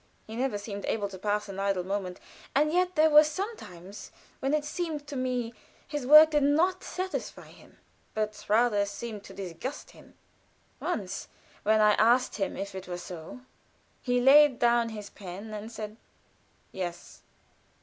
He never seemed able to pass an idle moment; and yet there were times when, it seemed to me, his work did not satisfy him, but rather seemed to disgust him. Once when I asked him if it were so, he laid down his pen and said, "Yes."